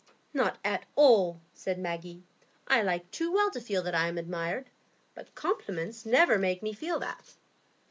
"Not at all," said Maggie; "I like too well to feel that I am admired, but compliments never make me feel that."